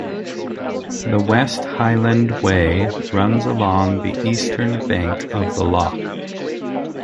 The West Highland Way runs along the eastern bank of the loch.